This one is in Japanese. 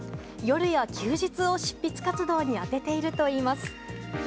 夜や休日を執筆活動に充てているといいます。